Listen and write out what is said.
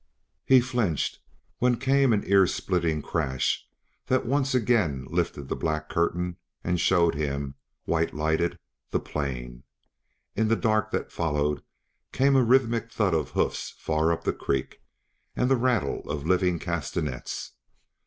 He flinched when came an ear splitting crash that once again lifted the black curtain and showed him, white lighted, the plain. In the dark that followed came a rhythmic thud of hoofs far up the creek, and the rattle of living castanets.